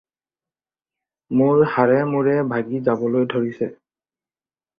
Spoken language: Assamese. মোৰ হাড়ে-মূৰে ভাগি যাবলৈ ধৰিছে।